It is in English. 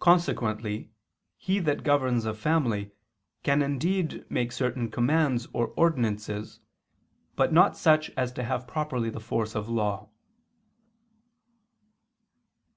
Consequently he that governs a family, can indeed make certain commands or ordinances, but not such as to have properly the force of law.